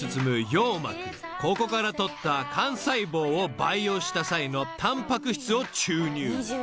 ［ここから取った幹細胞を培養した際のタンパク質を注入］